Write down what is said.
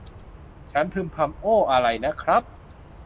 ฉันพึมพำ โอ้ อะไรนะครับ